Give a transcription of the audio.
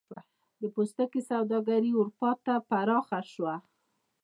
د پوستکي سوداګري اروپا ته پراخه شوه.